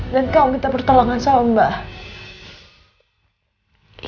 dan kau minta pertolongan sama mbak